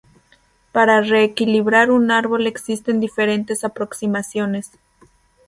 Para re-equilibrar un árbol existen diferentes aproximaciones.